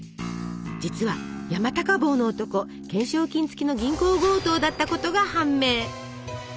実は山高帽の男懸賞金付きの銀行強盗だったことが判明。